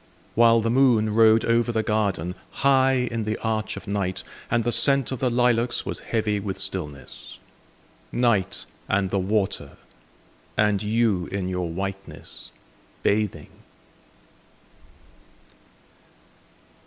While the moon rode over the garden, High in the arch of night, And the scent of the lilacs was heavy with stillness. Night, and the water, and you in your whiteness, bathing!